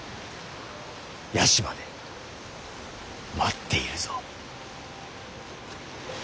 屋島で待っているぞ。